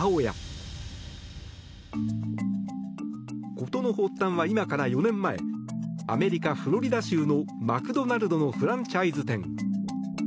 事の発端は今から４年前アメリカ・フロリダ州のマクドナルドのフランチャイズ店。